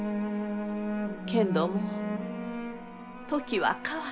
けんども時は変わった。